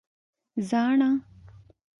🦩زاڼه